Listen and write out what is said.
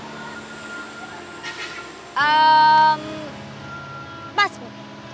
pas bu kebetulan banget gue punya uang